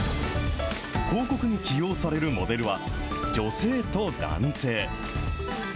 広告に起用されるモデルは、女性と男性。